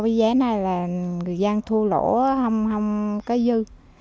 và người dân thu lỗ không có dư